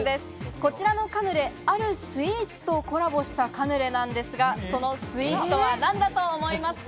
こちらのカヌレ、あるスイーツとコラボしたカヌレなんですが、そのスイーツとは何だと思いますか？